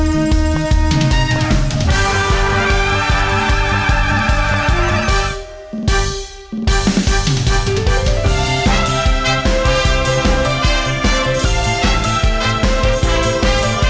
เงี๊ยม